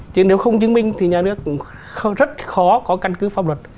chứ nếu không chứng minh thì nhà nước rất khó có căn cứ pháp luật